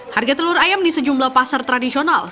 harga telur ayam di sejumlah pasar tradisional